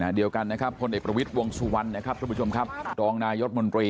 คณะเดียวกันนะครับพลเอกประวิษชาติวงสุวรรณนะครับสวครับรองนายกยศมนตรี